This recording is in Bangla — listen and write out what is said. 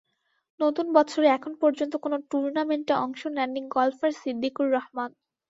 নতুন বছরে এখন পর্যন্ত কোনো টুর্নামেন্টে অংশ নেননি গলফার সিদ্দিকুর রহমান।